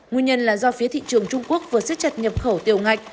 nguyên nhân là do phía thị trường trung quốc vừa xếp chặt nhập khẩu tiều ngạch